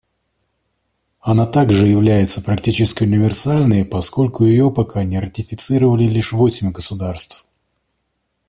Она также является практически универсальной, поскольку ее пока не ратифицировали лишь восемь государств.